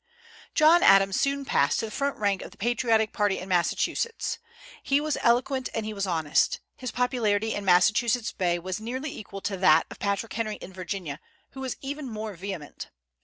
John Adams soon passed to the front rank of the patriotic party in Massachusetts. He was eloquent and he was honest. His popularity in Massachusetts Bay was nearly equal to that of Patrick Henry in Virginia, who was even more vehement.